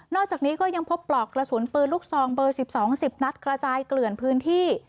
อกจากนี้ก็ยังพบปลอกกระสุนปืนลูกซองเบอร์๑๒๐นัดกระจายเกลื่อนพื้นที่